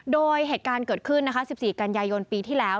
โดยเหตุการณ์เกิดขึ้นนะคะ๑๔กันยายนปีที่แล้ว